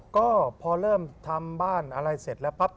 ก็พอเริ่มทำบ้านอะไรเสร็จแล้วปั๊บ